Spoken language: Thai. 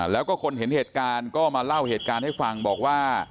แล้วก็คนเห็นเหตุการณ์ก็มาเล่าเหตุการณ์ให้ฟังบอกว่า